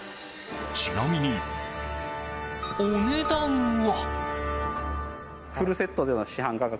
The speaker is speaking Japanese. ちなみに、お値段は。